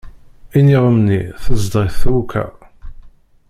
Iniɣem-nni tezdeɣ-it twekka.